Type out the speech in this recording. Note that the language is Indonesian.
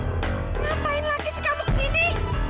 ngapain lagi sih kamu kesini